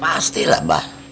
pasti lah mbah